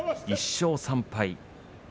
１勝３敗。